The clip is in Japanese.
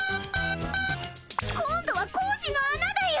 今度は工事のあなだよ。